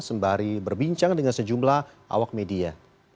sembari berbincang dengan sejumlah awak media